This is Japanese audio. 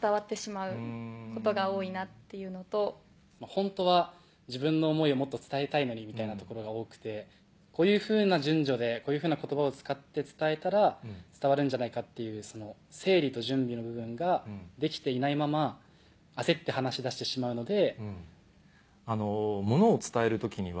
ホントは自分の思いをもっと伝えたいのにみたいなところが多くてこういうふうな順序でこういうふうな言葉を使って伝えたら伝わるんじゃないかっていう整理と準備の部分ができていないまま焦って話し出してしまうので。